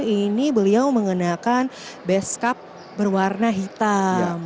ini beliau mengenakan beskap berwarna hitam